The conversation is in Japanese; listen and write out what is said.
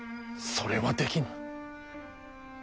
それはできぬ。